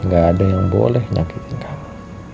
gak ada yang boleh nyakitin kamu